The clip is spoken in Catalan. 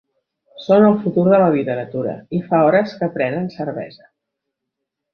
Són el futur de la literatura i fa hores que prenen cervesa.